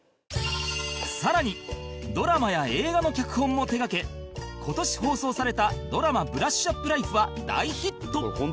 さらにドラマや映画の脚本も手がけ今年放送されたドラマ『ブラッシュアップライフ』は大ヒット